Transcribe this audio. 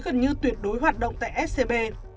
gần như tuyệt đối hoạt động tại scb